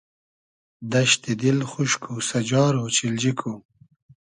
دئشتی دیل خوشک و سئجار اۉچیلجی کو